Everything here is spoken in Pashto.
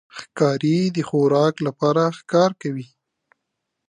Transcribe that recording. ښکاري د خوراک لپاره ښکار کوي.